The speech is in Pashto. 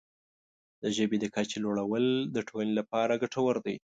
د ژبې د کچې لوړول د ټولنې لپاره ګټور دی.